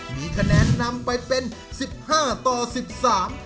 มีคะแนนนำไปเป็นสิบห้าต่อสิบสาม